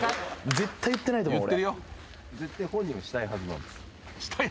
絶対言ってないと思う俺。